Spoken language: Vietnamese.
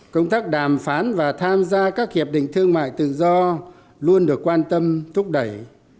công tác đàm phán và tham gia các hiệp định thương mại tự do luôn được quan tâm thúc đẩy